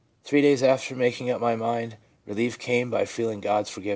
Three days after making up my mind, relief came by feeling God's forgiveness/ (4.)